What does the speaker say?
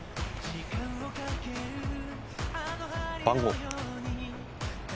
番号。